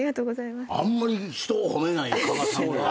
あんまり人を褒めない加賀さんが。